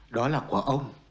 đó là của ông